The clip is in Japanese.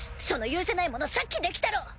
その許せないものさっきできたろ！